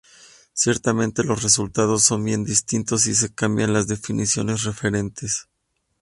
Ciertamente, los resultados son bien distintos si se cambian las definiciones referentes.